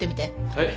はい。